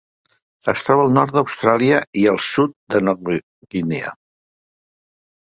Es troba al nord d'Austràlia i el sud de Nova Guinea.